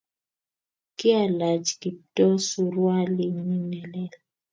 Kailach Kiptoo surualinyi nelel